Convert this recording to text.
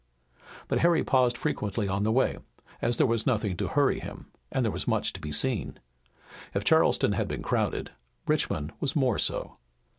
But Harry paused frequently on the way, as there was nothing to hurry him, and there was much to be seen. If Charleston had been crowded, Richmond was more so.